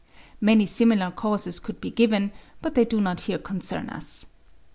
Many similar cases could be given, but they do not here concern us.